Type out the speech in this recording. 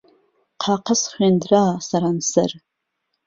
قاقەز خوێندرا سەرانسەر